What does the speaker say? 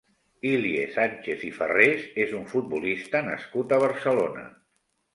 Ilie Sánchez i Farrés és un futbolista nascut a Barcelona.